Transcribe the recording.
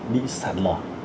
bị sạt lỏ